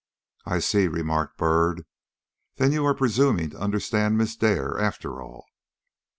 "I see," remarked Byrd, "that you are presuming to understand Miss Dare after all."